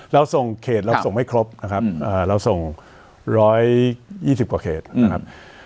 เราส่งเขตเราส่งไม่ครบนะครับอ่าเราส่งร้อยยี่สิบกว่าเขตนะครับ